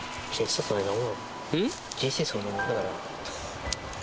人生、そんなもんだから。